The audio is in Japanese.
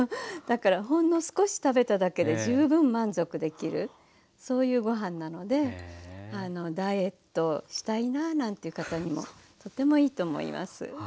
だからほんの少し食べただけで十分満足できるそういうご飯なのでダイエットしたいななんていう方にもとてもいいと思います。